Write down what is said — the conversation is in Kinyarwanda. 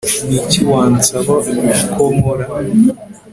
Niki wansaba ko nkora